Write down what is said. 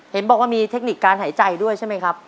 เห็นบอกว่ามีเทคนิคการหายใจด้วยใช่ไหมครับ